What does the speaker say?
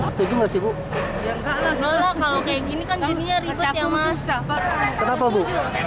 saya nggak setuju